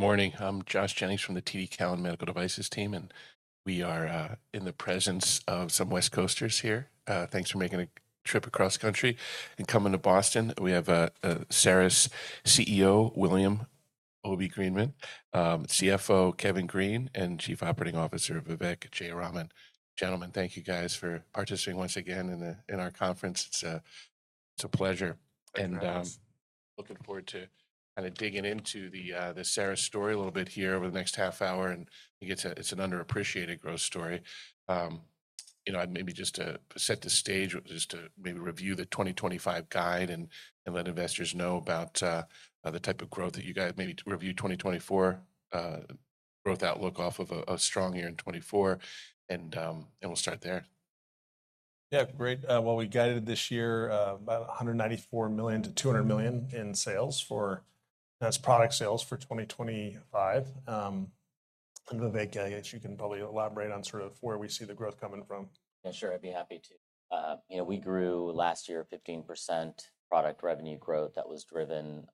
Good morning. I'm Josh Jennings from the TD Cowen Medical Devices team, and we are in the presence of some West Coasters here. Thanks for making a trip across country and coming to Boston. We have Cerus CEO, William 'Obi' Greenman, CFO, Kevin Green, and Chief Operating Officer, Vivek Jayaraman. Gentlemen, thank you guys for participating once again in our conference. It's a pleasure, and looking forward to kind of digging into the Cerus story a little bit here over the next half hour. It's an underappreciated growth story. You know, I'd maybe just set the stage just to maybe review the 2025 guide and let investors know about the type of growth that you guys maybe review 2024 growth outlook off of a strong year in 2024. We'll start there. Yeah, great. We guided this year about $194 million-$200 million in sales for product sales for 2025. And Vivek, I guess you can probably elaborate on sort of where we see the growth coming from. Yeah, sure. I'd be happy to. You know, we grew last year 15% product revenue growth. That was driven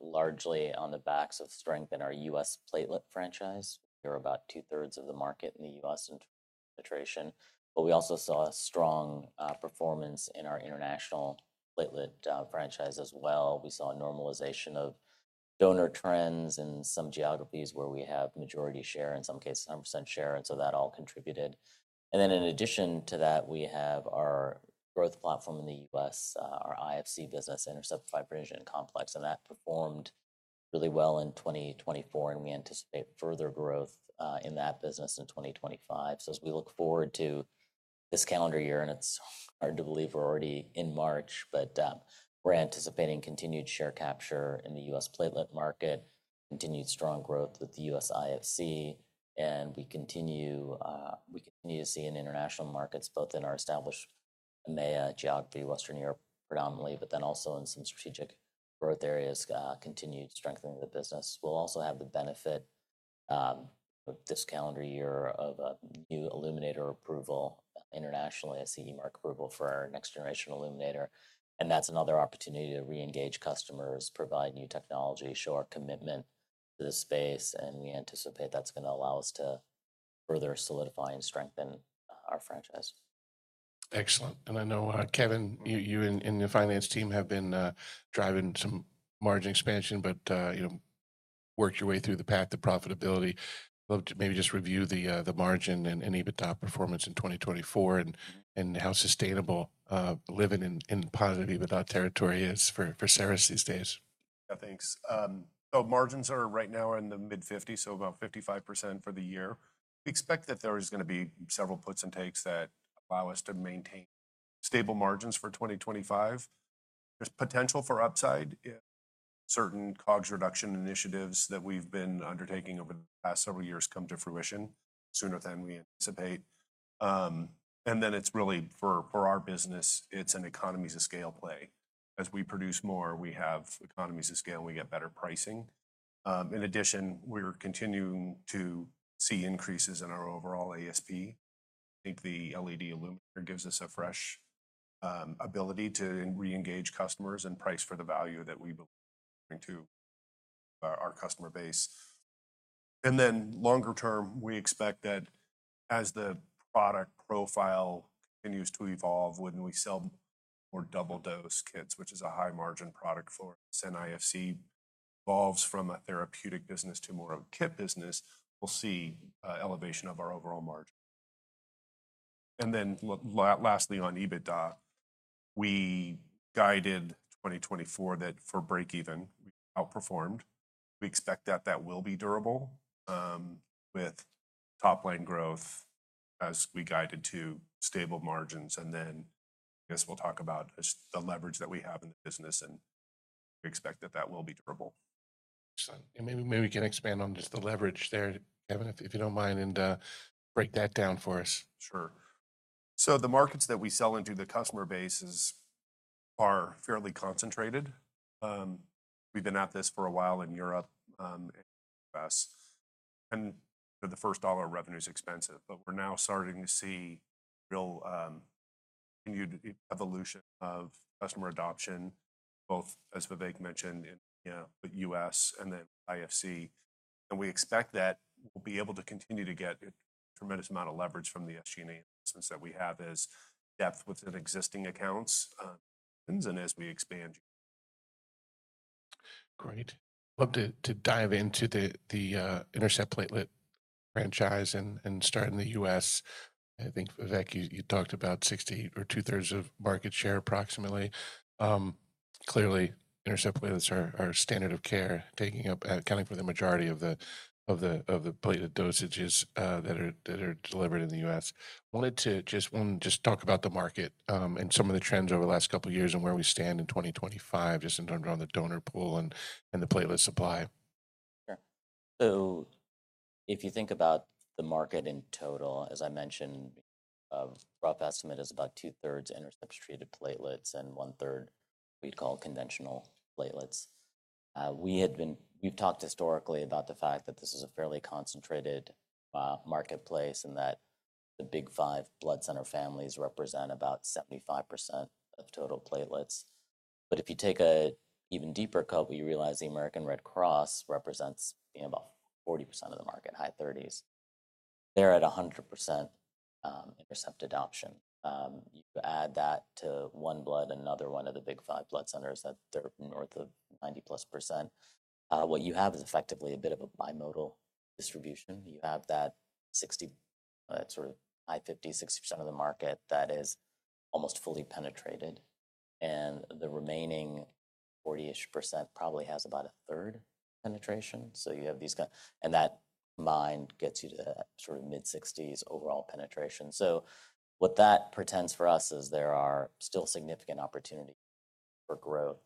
largely on the backs of strength in our U.S. platelet franchise. We're about two-thirds of the market in the U.S. in trade penetration. We also saw strong performance in our international platelet franchise as well. We saw a normalization of donor trends in some geographies where we have majority share, in some cases 100% share. That all contributed. In addition to that, we have our growth platform in the US, our IFC business, Intercept Fibrinogen Complex. That performed really well in 2024, and we anticipate further growth in that business in 2025. As we look forward to this calendar year, and it's hard to believe we're already in March, we're anticipating continued share capture in the U.S. platelet market, continued strong growth with the U.S. IFC. We continue to see in international markets, both in our established EMEA geography, Western Europe predominantly, but then also in some strategic growth areas, continued strengthening of the business. We'll also have the benefit this calendar year of a new illuminator approval internationally, a CE mark approval for our next generation illuminator. That's another opportunity to re-engage customers, provide new technology, show our commitment to the space. We anticipate that's going to allow us to further solidify and strengthen our franchise. Excellent. I know, Kevin, you and your finance team have been driving some margin expansion, but you know, work your way through the path to profitability. I'd love to maybe just review the margin and EBITDA performance in 2024 and how sustainable living in positive EBITDA territory is for Cerus these days. Yeah, thanks. Margins are right now in the mid-50s, so about 55% for the year. We expect that there's going to be several puts and takes that allow us to maintain stable margins for 2025. There's potential for upside if certain COGS reduction initiatives that we've been undertaking over the past several years come to fruition sooner than we anticipate. It is really for our business, it's an economies of scale play. As we produce more, we have economies of scale, and we get better pricing. In addition, we're continuing to see increases in our overall ASP. I think the LED illuminator gives us a fresh ability to re-engage customers and price for the value that we believe to our customer base. Longer term, we expect that as the product profile continues to evolve, when we sell more double-dose kits, which is a high-margin product for us, and IFC evolves from a therapeutic business to more of a kit business, we'll see an elevation of our overall margin. Lastly, on EBITDA, we guided 2024 that for breakeven, we outperformed. We expect that that will be durable with top-line growth as we guide it to stable margins. I guess we'll talk about the leverage that we have in the business, and we expect that that will be durable. Excellent. Maybe we can expand on just the leverage there, Kevin, if you do not mind, and break that down for us. Sure. The markets that we sell into, the customer base, are fairly concentrated. We've been at this for a while in Europe and the US. The first dollar revenue is expensive, but we're now starting to see real evolution of customer adoption, both as Vivek mentioned in the U.S. and then IFC. We expect that we'll be able to continue to get a tremendous amount of leverage from the SG&A investments that we have as depth within existing accounts and as we expand. Great. I'd love to dive into the Intercept platelet franchise and start in the US. I think, Vivek, you talked about 60 or two-thirds of market share approximately. Clearly, Intercept platelets are standard of care, accounting for the majority of the platelet dosages that are delivered in the US. I wanted to just talk about the market and some of the trends over the last couple of years and where we stand in 2025, just in terms of the donor pool and the platelet supply. Sure. If you think about the market in total, as I mentioned, rough estimate is about two-thirds Intercept-treated platelets and one-third we'd call conventional platelets. We've talked historically about the fact that this is a fairly concentrated marketplace and that the Big Five blood center families represent about 75% of total platelets. If you take an even deeper cut, we realize the American Red Cross represents about 40% of the market, high 30s. They're at 100% Intercept adoption. You add that to OneBlood and another one of the Big Five blood centers that they're north of 90% plus. What you have is effectively a bit of a bimodal distribution. You have that 60, that sort of high 50, 60% of the market that is almost fully penetrated. The remaining 40-ish percent probably has about a third penetration. You have these kind of, and that combined gets you to sort of mid-60s overall penetration. What that portends for us is there are still significant opportunities for growth.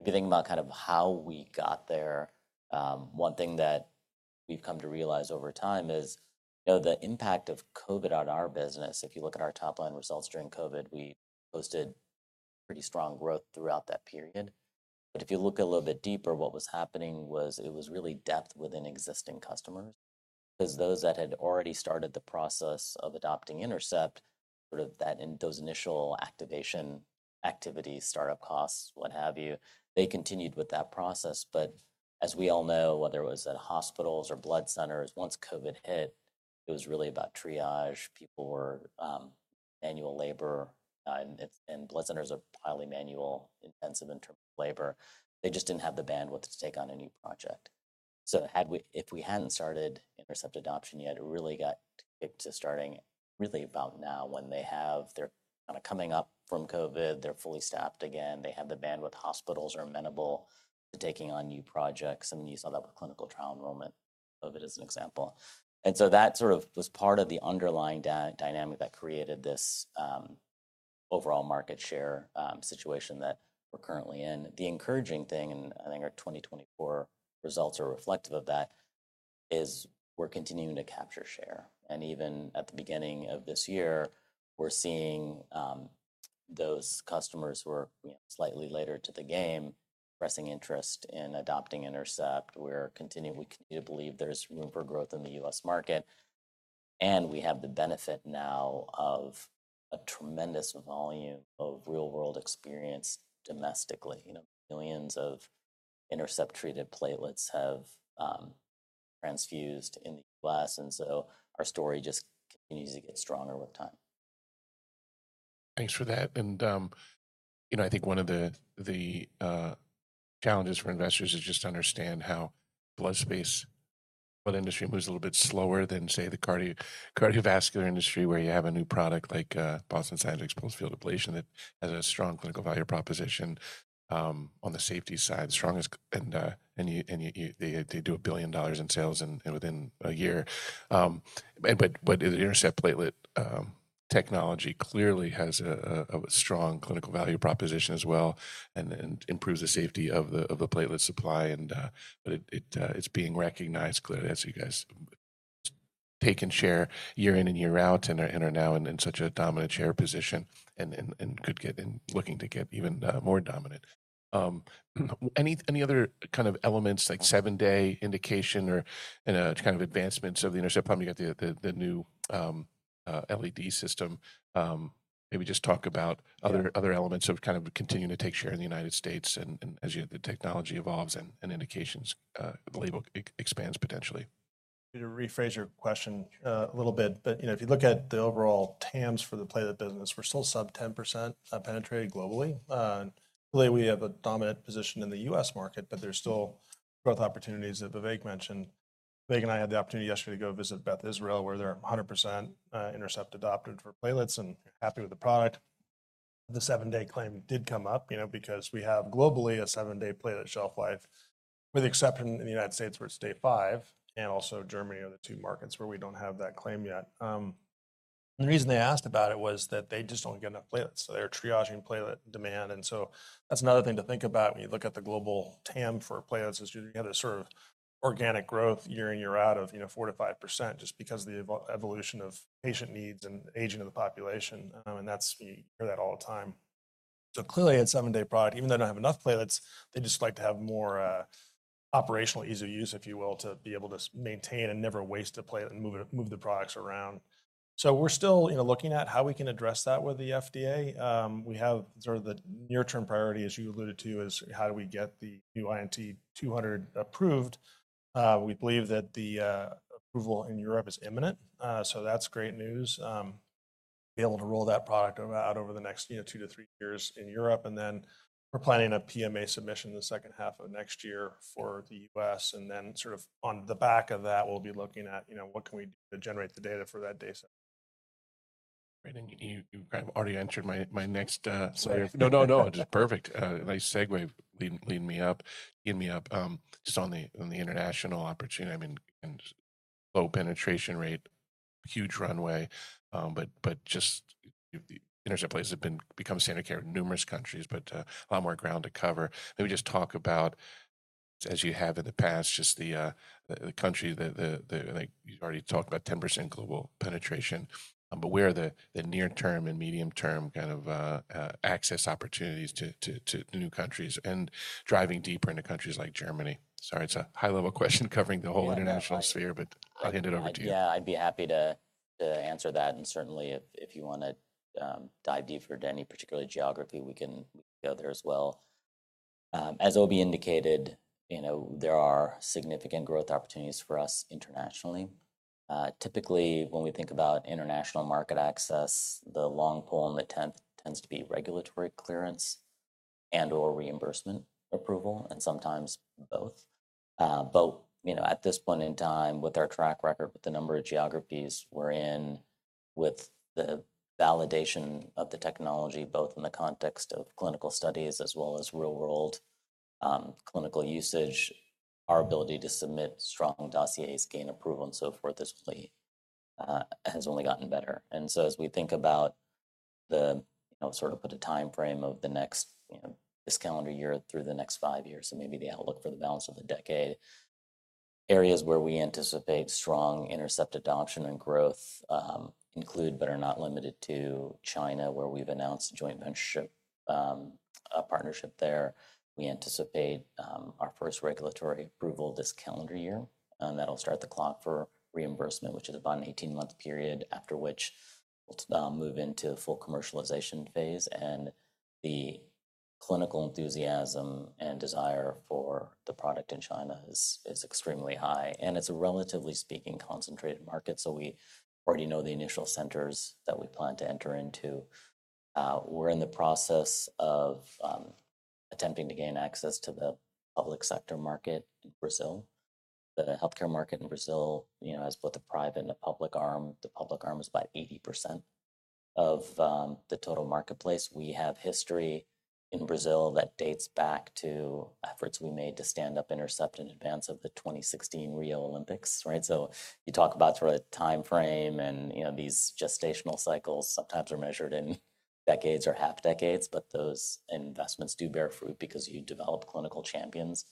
If you think about kind of how we got there, one thing that we've come to realize over time is the impact of COVID on our business. If you look at our top-line results during COVID, we posted pretty strong growth throughout that period. If you look a little bit deeper, what was happening was it was really depth within existing customers. Because those that had already started the process of adopting Intercept, sort of those initial activation activities, startup costs, what have you, they continued with that process. As we all know, whether it was at hospitals or blood centers, once COVID hit, it was really about triage. People were manual labor, and blood centers are highly manual, intensive in terms of labor. They just did not have the bandwidth to take on a new project. If we had not started Intercept adoption yet, it really got kicked to starting really about now when they have, they are kind of coming up from COVID, they are fully staffed again, they have the bandwidth, hospitals are amenable to taking on new projects. You saw that with clinical trial enrollment, COVID as an example. That sort of was part of the underlying dynamic that created this overall market share situation that we are currently in. The encouraging thing, and I think our 2024 results are reflective of that, is we are continuing to capture share. Even at the beginning of this year, we are seeing those customers who are slightly later to the game expressing interest in adopting Intercept. We continue to believe there's room for growth in the U.S. market. We have the benefit now of a tremendous volume of real-world experience domestically. Millions of Intercept-treated platelets have transfused in the U.S. Our story just continues to get stronger with time. Thanks for that. I think one of the challenges for investors is just to understand how blood space, blood industry moves a little bit slower than, say, the cardiovascular industry where you have a new product like Boston Scientific's pulsed field ablation that has a strong clinical value proposition on the safety side, strongest, and they do a billion dollars in sales within a year. The Intercept platelet technology clearly has a strong clinical value proposition as well and improves the safety of the platelet supply. It's being recognized clearly as you guys take and share year in and year out and are now in such a dominant share position and looking to get even more dominant. Any other kind of elements like seven-day indication or kind of advancements of the Intercept? You got the new LED system. Maybe just talk about other elements of kind of continuing to take share in the United States as the technology evolves and indications the label expands potentially. To rephrase your question a little bit, but if you look at the overall TAMs for the platelet business, we're still sub 10% penetrated globally. Clearly, we have a dominant position in the U.S. market, but there's still growth opportunities that Vivek mentioned. Vivek and I had the opportunity yesterday to go visit Beth Israel, where they're 100% Intercept adopted for platelets and happy with the product. The seven-day claim did come up because we have globally a seven-day platelet shelf life, with the exception in the United States where it's day five, and also Germany are the two markets where we don't have that claim yet. The reason they asked about it was that they just don't get enough platelets. They are triaging platelet demand. That is another thing to think about when you look at the global TAM for platelets. You have this sort of organic growth year in, year out of 4%-5% just because of the evolution of patient needs and aging of the population. That's you hear that all the time. Clearly, it's a seven-day product. Even though they do not have enough platelets, they just like to have more operational ease of use, if you will, to be able to maintain and never waste a platelet and move the products around. We are still looking at how we can address that with the FDA. We have sort of the near-term priority, as you alluded to, which is how do we get the new INT200 approved. We believe that the approval in Europe is imminent. That is great news. Be able to roll that product out over the next two to three years in Europe. We're planning a PMA submission in the second half of next year for the US. Then sort of on the back of that, we'll be looking at what can we do to generate the data for that dataset. Great. You kind of already answered my next slide. No, no, no. It's perfect. Nice segue. Lead me up. Just on the international opportunity, I mean, low penetration rate, huge runway. I mean, Intercept platelets have become standard of care in numerous countries, but a lot more ground to cover. Maybe just talk about, as you have in the past, just the country that you already talked about, 10% global penetration. Where are the near-term and medium-term kind of access opportunities to new countries and driving deeper into countries like Germany? Sorry, it's a high-level question covering the whole international sphere, but I'll hand it over to you. Yeah, I'd be happy to answer that. Certainly, if you want to dive deeper into any particular geography, we can go there as well. As Obi indicated, there are significant growth opportunities for us internationally. Typically, when we think about international market access, the long pole in the tent tends to be regulatory clearance and/or reimbursement approval, and sometimes both. At this point in time, with our track record, with the number of geographies we're in, with the validation of the technology, both in the context of clinical studies as well as real-world clinical usage, our ability to submit strong dossiers, gain approval, and so forth has only gotten better. As we think about the sort of put a timeframe of this calendar year through the next five years, so maybe the outlook for the balance of the decade, areas where we anticipate strong Intercept adoption and growth include but are not limited to China, where we've announced a joint venture partnership there. We anticipate our first regulatory approval this calendar year. That will start the clock for reimbursement, which is about an 18-month period, after which we'll move into a full commercialization phase. The clinical enthusiasm and desire for the product in China is extremely high. It is a relatively speaking concentrated market. We already know the initial centers that we plan to enter into. We're in the process of attempting to gain access to the public sector market in Brazil. The healthcare market in Brazil has both a private and a public arm. The public arm is about 80% of the total marketplace. We have history in Brazil that dates back to efforts we made to stand up Intercept in advance of the 2016 Rio Olympics. You talk about sort of timeframe and these gestational cycles sometimes are measured in decades or half-decades, but those investments do bear fruit because you develop clinical champions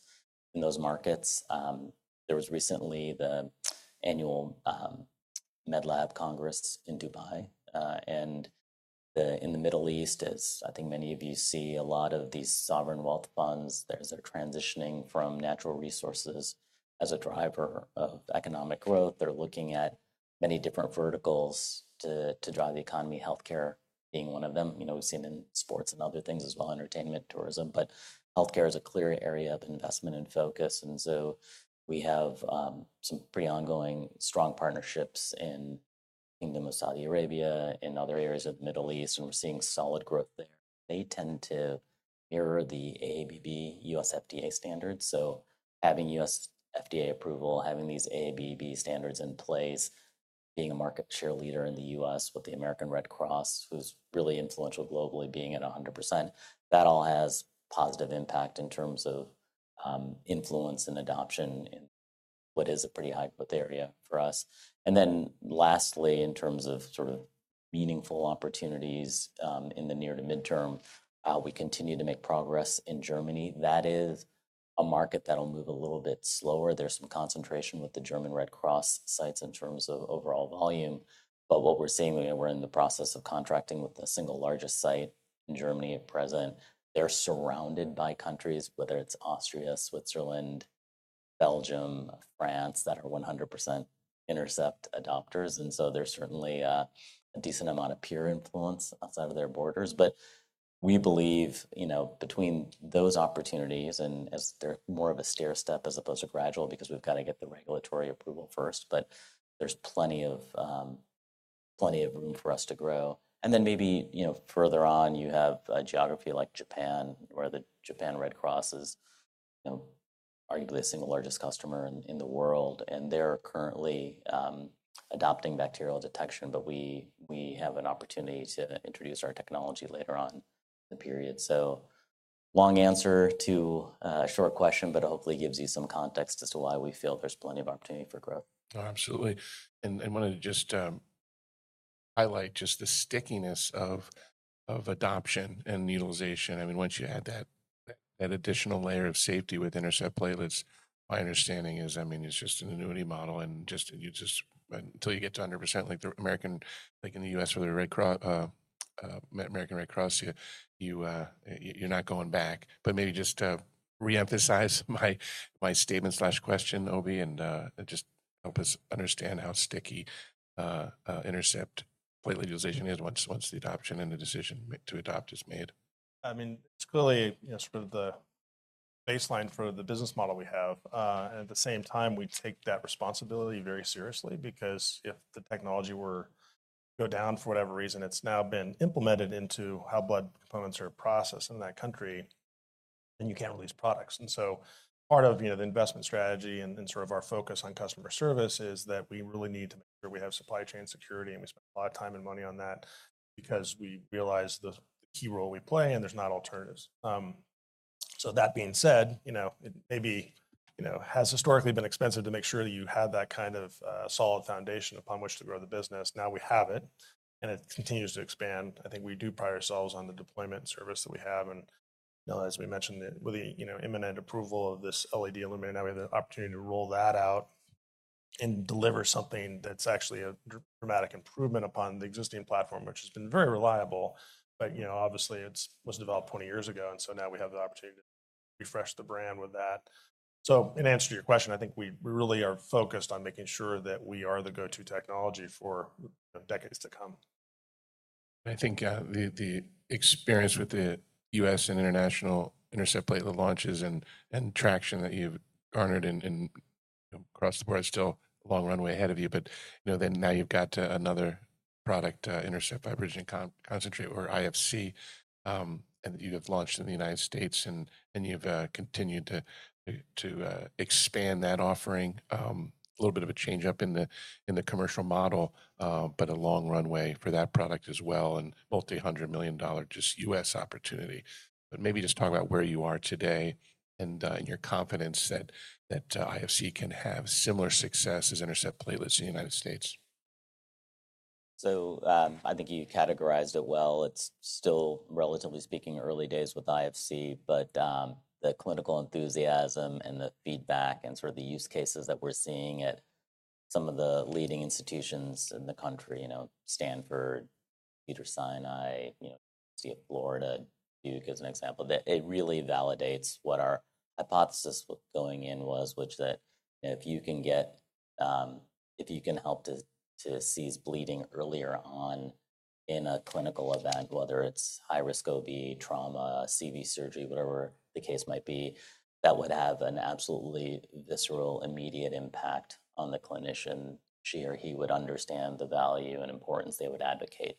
in those markets. There was recently the annual Medlab Congress in Dubai. In the Middle East, as I think many of you see, a lot of these sovereign wealth funds, they're transitioning from natural resources as a driver of economic growth. They're looking at many different verticals to drive the economy, healthcare being one of them. We've seen in sports and other things as well, entertainment, tourism. Healthcare is a clear area of investment and focus. We have some pretty ongoing strong partnerships in the Kingdom of Saudi Arabia, in other areas of the Middle East, and we're seeing solid growth there. They tend to mirror the AABB U.S. FDA standards. Having U.S. FDA approval, having these AABB standards in place, being a market share leader in the U.S. with the American Red Cross, who's really influential globally, being at 100%, that all has positive impact in terms of influence and adoption in what is a pretty high-growth area for us. Lastly, in terms of sort of meaningful opportunities in the near to midterm, we continue to make progress in Germany. That is a market that'll move a little bit slower. There's some concentration with the German Red Cross sites in terms of overall volume. What we're seeing, we're in the process of contracting with the single largest site in Germany at present. They're surrounded by countries, whether it's Austria, Switzerland, Belgium, France, that are 100% Intercept adopters. There is certainly a decent amount of peer influence outside of their borders. We believe between those opportunities, and they're more of a stair step as opposed to gradual because we've got to get the regulatory approval first, but there's plenty of room for us to grow. Maybe further on, you have a geography like Japan where the Japan Red Cross is arguably the single largest customer in the world. They're currently adopting bacterial detection, but we have an opportunity to introduce our technology later on in the period. Long answer to a short question, but it hopefully gives you some context as to why we feel there's plenty of opportunity for growth. Absolutely. I wanted to just highlight just the stickiness of adoption and utilization. I mean, once you add that additional layer of safety with Intercept platelets, my understanding is, I mean, it's just an annuity model. Until you get to 100%, like in the U.S. where the American Red Cross, you're not going back. Maybe just to reemphasize my statement/question, Obi, and just help us understand how sticky Intercept platelet utilization is once the adoption and the decision to adopt is made. I mean, it's clearly sort of the baseline for the business model we have. At the same time, we take that responsibility very seriously because if the technology were to go down for whatever reason, it's now been implemented into how blood components are processed in that country, then you can't release products. Part of the investment strategy and sort of our focus on customer service is that we really need to make sure we have supply chain security. We spent a lot of time and money on that because we realize the key role we play, and there's not alternatives. That being said, it maybe has historically been expensive to make sure that you have that kind of solid foundation upon which to grow the business. Now we have it, and it continues to expand. I think we do pride ourselves on the deployment service that we have. As we mentioned, with the imminent approval of this LED Illuminator, now we have the opportunity to roll that out and deliver something that's actually a dramatic improvement upon the existing platform, which has been very reliable. Obviously, it was developed 20 years ago. Now we have the opportunity to refresh the brand with that. In answer to your question, I think we really are focused on making sure that we are the go-to technology for decades to come. I think the experience with the U.S. and international Intercept platelet launches and traction that you've garnered across the board is still a long runway ahead of you. Now you've got another product, Intercept Fibrinogen Complex or IFC, and you have launched in the United States. You've continued to expand that offering, a little bit of a change-up in the commercial model, but a long runway for that product as well and multi-hundred million dollar just U.S. opportunity. Maybe just talk about where you are today and your confidence that IFC can have similar success as Intercept platelets in the United States. I think you categorized it well. It's still, relatively speaking, early days with IFC, but the clinical enthusiasm and the feedback and sort of the use cases that we're seeing at some of the leading institutions in the country, Stanford, Mount Sinai, University of Florida, Duke as an example, it really validates what our hypothesis going in was, which is that if you can help to cease bleeding earlier on in a clinical event, whether it's high-risk OB, trauma, CV surgery, whatever the case might be, that would have an absolutely visceral, immediate impact on the clinician. She or he would understand the value and importance and they would advocate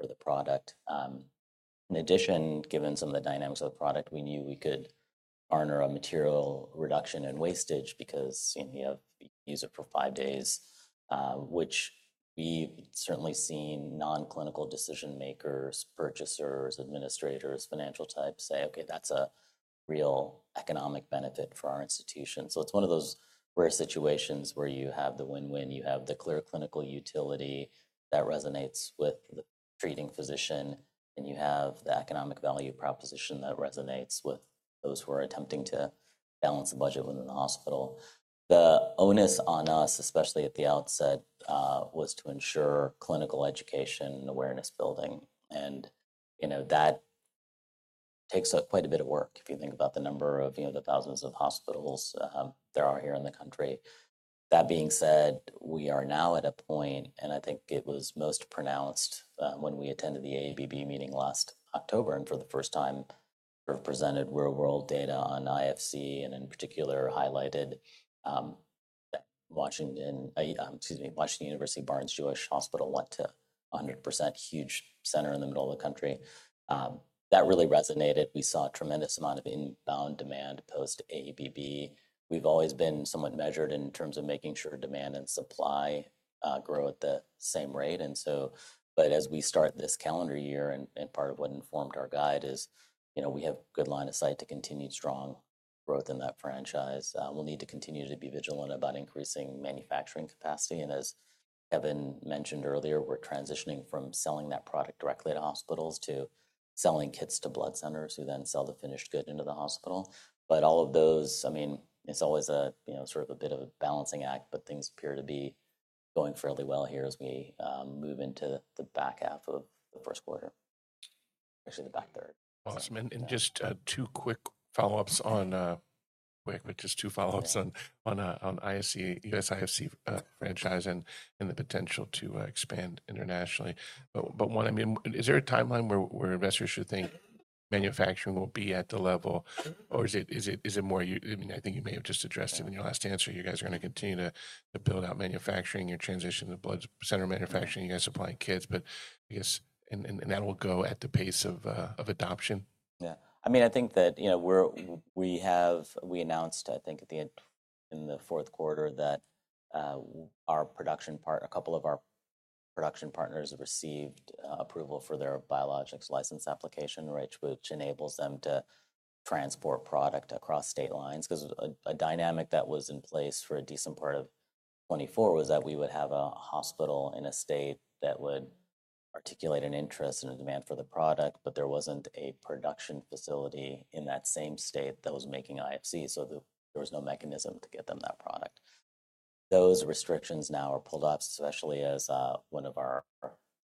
for the product. In addition, given some of the dynamics of the product, we knew we could garner a material reduction in wastage because you use it for five days, which we've certainly seen non-clinical decision-makers, purchasers, administrators, financial types say, "Okay, that's a real economic benefit for our institution." It is one of those rare situations where you have the win-win. You have the clear clinical utility that resonates with the treating physician, and you have the economic value proposition that resonates with those who are attempting to balance the budget within the hospital. The onus on us, especially at the outset, was to ensure clinical education and awareness building. That takes quite a bit of work if you think about the number of the thousands of hospitals there are here in the country. That being said, we are now at a point, and I think it was most pronounced when we attended the AABB meeting last October and for the first time presented real-world data on IFC and in particular highlighted Washington University Barnes-Jewish Hospital went to 100%, huge center in the middle of the country. That really resonated. We saw a tremendous amount of inbound demand post AABB. We've always been somewhat measured in terms of making sure demand and supply grow at the same rate. As we start this calendar year, and part of what informed our guide is we have a good line of sight to continue strong growth in that franchise. We'll need to continue to be vigilant about increasing manufacturing capacity. As Kevin mentioned earlier, we're transitioning from selling that product directly to hospitals to selling kits to blood centers who then sell the finished good into the hospital. All of those, I mean, it's always sort of a bit of a balancing act, but things appear to be going fairly well here as we move into the back half of the first quarter, actually the back third. Just two quick follow-ups on, just two follow-ups on U.S. IFC franchise and the potential to expand internationally. One, I mean, is there a timeline where investors should think manufacturing will be at the level, or is it more? I mean, I think you may have just addressed it in your last answer. You guys are going to continue to build out manufacturing, your transition to blood center manufacturing, you guys supplying kits, but I guess, and that will go at the pace of adoption. Yeah. I mean, I think that we announced, I think, in the fourth quarter that our production partner, a couple of our production partners received approval for their Biologics License Application, which enables them to transport product across state lines. Because a dynamic that was in place for a decent part of 2024 was that we would have a hospital in a state that would articulate an interest and a demand for the product, but there was not a production facility in that same state that was making IFC. So there was no mechanism to get them that product. Those restrictions now are pulled up, especially as one of our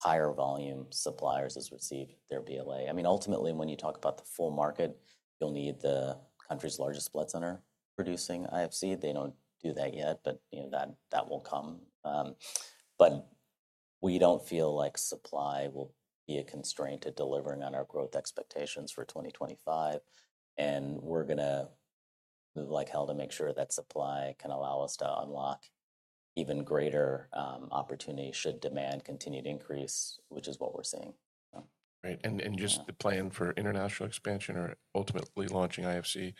higher volume suppliers has received their BLA. I mean, ultimately, when you talk about the full market, you will need the country's largest blood center producing IFC. They do not do that yet, but that will come. We do not feel like supply will be a constraint to delivering on our growth expectations for 2025. We are going to move like hell to make sure that supply can allow us to unlock even greater opportunity should demand continue to increase, which is what we are seeing. Right. Just the plan for international expansion or ultimately launching IFC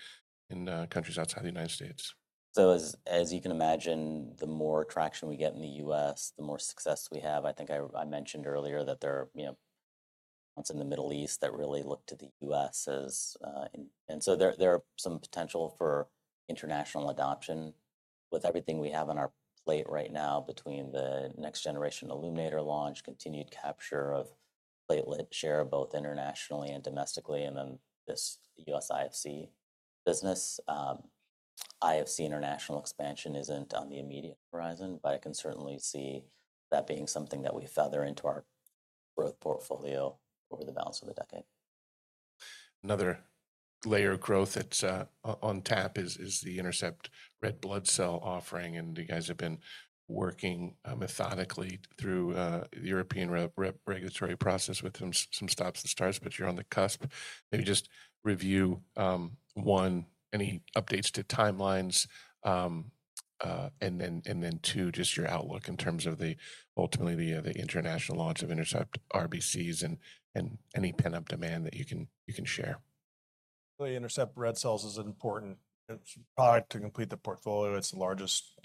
in countries outside the United States. As you can imagine, the more traction we get in the US, the more success we have. I think I mentioned earlier that there are ones in the Middle East that really look to the US. There are some potential for international adoption with everything we have on our plate right now between the next-generation Illuminator launch, continued capture of platelet share both internationally and domestically, and then this U.S. IFC business. IFC international expansion isn't on the immediate horizon, but I can certainly see that being something that we feather into our growth portfolio over the balance of the decade. Another layer of growth on tap is the Intercept red blood cell offering. You guys have been working methodically through the European regulatory process with some stops and starts, but you're on the cusp. Maybe just review one, any updates to timelines, and then two, just your outlook in terms of ultimately the international launch of Intercept RBCs and any pent-up demand that you can share. The Intercept red cells is an important product to complete the portfolio. It's the largest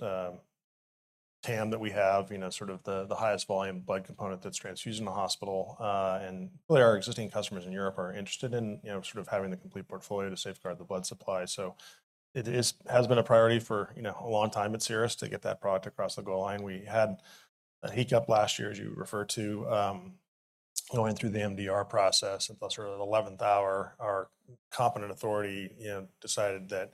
TAM that we have, sort of the highest volume blood component that's transfused in the hospital. And our existing customers in Europe are interested in sort of having the complete portfolio to safeguard the blood supply. It has been a priority for a long time at Cerus to get that product across the goal line. We had a hiccup last year, as you referred to, going through the MDR process. At the 11th hour, our competent authority decided that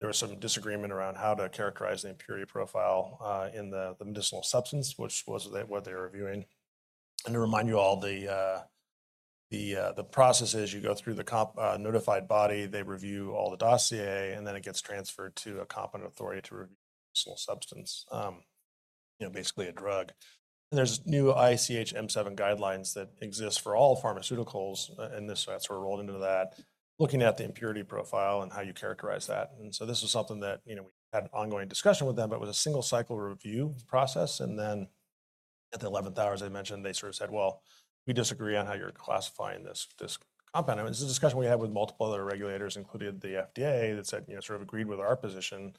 there was some disagreement around how to characterize the impurity profile in the medicinal substance, which was what they were reviewing. To remind you all, the process is you go through the notified body, they review all the dossier, and then it gets transferred to a competent authority to review the medicinal substance, basically a drug. There are new ICH M7 guidelines that exist for all pharmaceuticals, and this sort of rolled into that, looking at the impurity profile and how you characterize that. This was something that we had an ongoing discussion with them, but it was a single-cycle review process. At the 11th hour, as I mentioned, they sort of said, "Well, we disagree on how you're classifying this compound." It was a discussion we had with multiple other regulators, including the FDA, that sort of agreed with our position.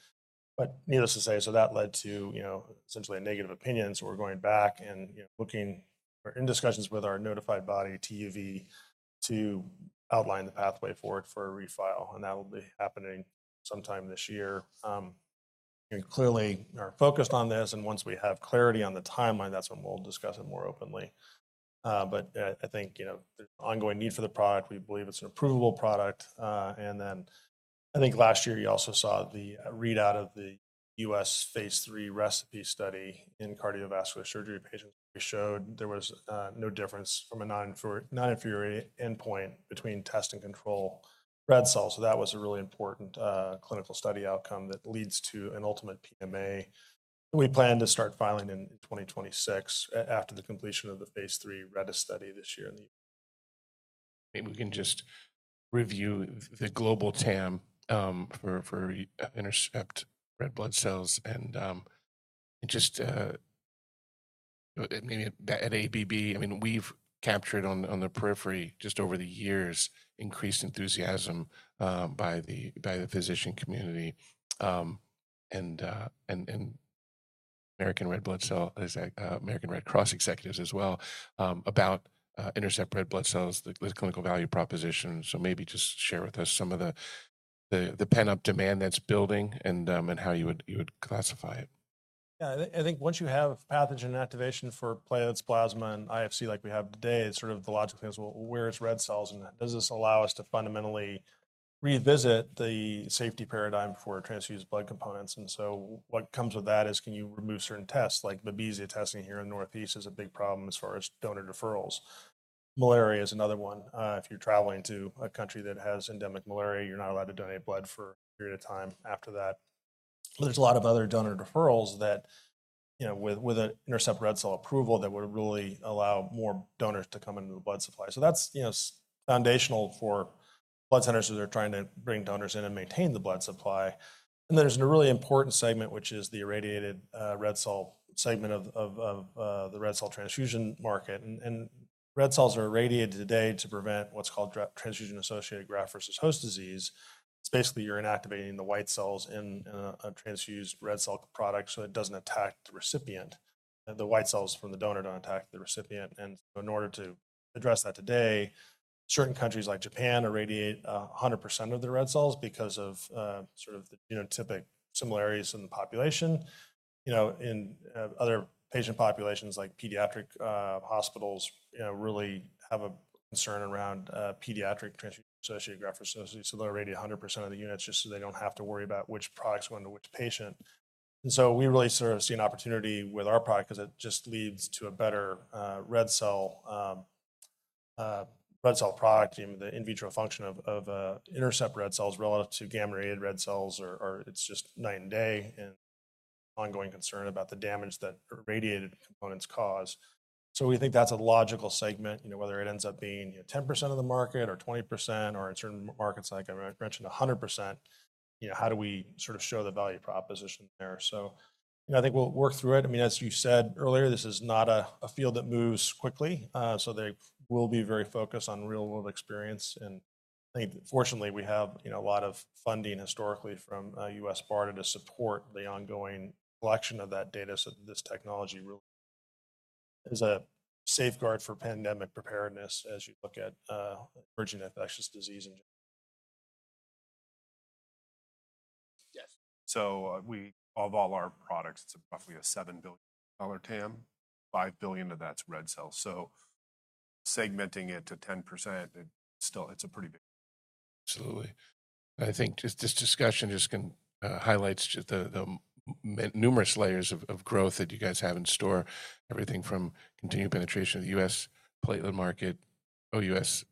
Needless to say, that led to essentially a negative opinion. We're going back and looking or in discussions with our notified body, TÜV SÜD, to outline the pathway for it for a refile. That will be happening sometime this year. Clearly, we are focused on this. Once we have clarity on the timeline, that's when we'll discuss it more openly. I think there's an ongoing need for the product. We believe it's an approvable product. I think last year, you also saw the readout of the U.S. phase III ReCePI study in cardiovascular surgery patients. We showed there was no difference from a non-inferior endpoint between test and control red cells. That was a really important clinical study outcome that leads to an ultimate PMA. We plan to start filing in 2026 after the completion of the phase III RedeS study this year. Maybe we can just review the global TAM for Intercept red blood cells. And just maybe at AABB, I mean, we've captured on the periphery just over the years increased enthusiasm by the physician community and American Red Cross executives as well about Intercept red blood cells, the clinical value proposition. So maybe just share with us some of the pent-up demand that's building and how you would classify it. Yeah. I think once you have pathogen inactivation for platelets, plasma, and IFC like we have today, sort of the logic is, well, where's red cells? And does this allow us to fundamentally revisit the safety paradigm for transfused blood components? What comes with that is can you remove certain tests? Like Babesia testing here in the Northeast is a big problem as far as donor deferrals. Malaria is another one. If you're traveling to a country that has endemic malaria, you're not allowed to donate blood for a period of time after that. There are a lot of other donor deferrals that with an Intercept red cell approval that would really allow more donors to come into the blood supply. That's foundational for blood centers who are trying to bring donors in and maintain the blood supply. There is a really important segment, which is the irradiated red cell segment of the red cell transfusion market. Red cells are irradiated today to prevent what's called transfusion-associated graft versus host disease. It's basically you're inactivating the white cells in a transfused red cell product so it doesn't attack the recipient. The white cells from the donor don't attack the recipient. In order to address that today, certain countries like Japan irradiate 100% of their red cells because of sort of the genotypic similarities in the population. In other patient populations, like pediatric hospitals, really have a concern around pediatric transfusion-associated graft versus host disease. They will irradiate 100% of the units just so they don't have to worry about which products go into which patient. We really sort of see an opportunity with our product because it just leads to a better red cell product. The in vitro function of Intercept red cells relative to gamma-ray red cells is just night and day and ongoing concern about the damage that irradiated components cause. We think that's a logical segment, whether it ends up being 10% of the market or 20% or in certain markets, like I mentioned, 100%. How do we sort of show the value proposition there? I think we'll work through it. I mean, as you said earlier, this is not a field that moves quickly. They will be very focused on real-world experience. I think, fortunately, we have a lot of funding historically from U.S. BARDA to support the ongoing collection of that data. This technology is a safeguard for pandemic preparedness as you look at emerging infectious disease in general. Yes. Of all our products, it's roughly a $7 billion TAM, $5 billion of that's red cells. Segmenting it to 10%, it's a pretty big. Absolutely. I think this discussion just highlights the numerous layers of growth that you guys have in store, everything from continued penetration of the U.S. platelet market, OUS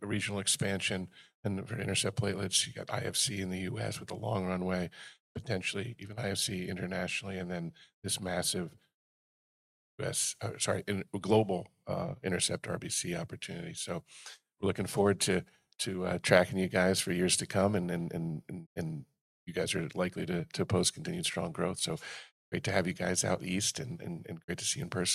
regional expansion, and for Intercept platelets, you got IFC in the U.S. with a long runway, potentially even IFC internationally, and then this massive US, sorry, global Intercept RBC opportunity. We are looking forward to tracking you guys for years to come. You guys are likely to post continued strong growth. Great to have you guys out east and great to see you in person.